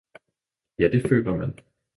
'Ja det føler man!